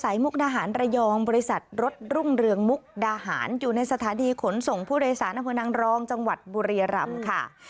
ถ่ายสายมุกดาหารระยองบริษัทรถรุ่งเรืองมุกดาหารอยู่ในสถานีีขนส่งภูริสานะพรุนังรองจังหวัดบุรีรัมฯค่ะ